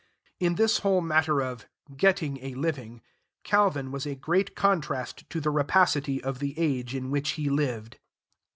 In this whole, matter of "getting a living," Calvin was a great contrast to the rapacity of the age in which he lived.